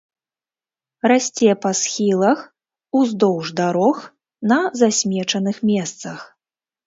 Расце па схілах, уздоўж дарог, на засмечаных месцах.